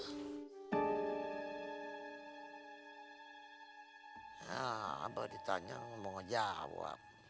ya abah ditanya mo wajawab